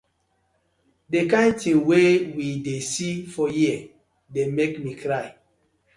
Di kin tin wey we dey see for here dey mek mi cry.